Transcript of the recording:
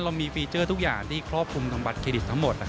เรามีฟีเจอร์ทุกอย่างที่ครอบคลุมของบัตรเครดิตทั้งหมด